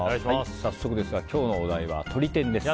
早速ですが今日のお題は鶏天です。